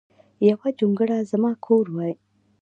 یو جونګړه ځما کور وای